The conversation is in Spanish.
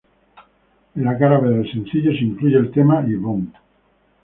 En la cara B del sencillo se incluyó el tema "Ivonne".